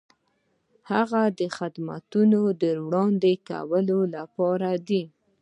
هغه د خدماتو د وړاندې کولو لپاره دی.